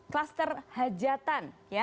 kluster hajatan ya